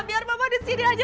biar mama di sini aja